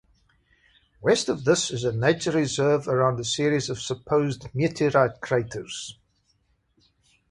West of this is a nature reserve around a series of supposed meteorite craters.